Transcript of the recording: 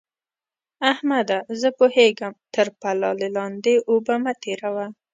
احمده! زه پوهېږم؛ تر پلالې لاندې اوبه مه تېروه.